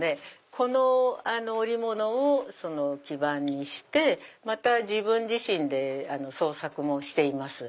この織物を基盤にしてまた自分自身で創作もしています。